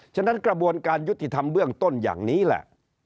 ฉะนั้นกระบวนการยุติธรรมเบื้องต้นอย่างนี้แหละ